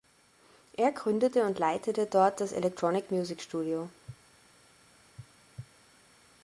Er gründete und leitete dort das Electronic Music Studio.